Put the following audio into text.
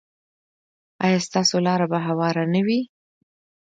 ایا ستاسو لاره به هواره نه وي؟